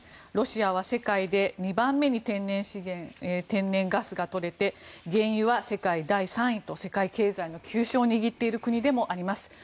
ロシアは世界で２番目に天然ガスが取れて原油は世界第３位と世界経済の急所を握っている国でもあります。